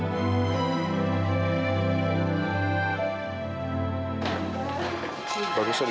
bagus sekali kamu